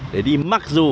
để đi mặc dù